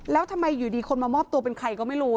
แล้วทำไมอยู่ดีคนมามอบตัวเป็นใครก็ไม่รู้